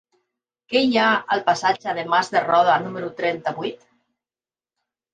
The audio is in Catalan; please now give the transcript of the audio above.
Què hi ha al passatge de Mas de Roda número trenta-vuit?